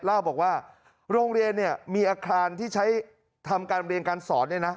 เล่าบอกว่าโรงเรียนเนี่ยมีอาคารที่ใช้ทำการเรียนการสอนเนี่ยนะ